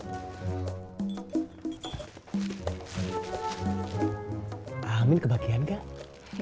aamin kebahagiaan gak